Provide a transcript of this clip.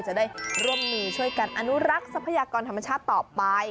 จะได้ร่วมมือช่วยกันอนุรักษ์ทรัพยากรธรรมชาติต่อไป